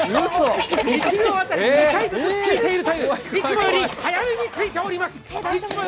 １秒当たり２回ずつついているといういつもより早めについております。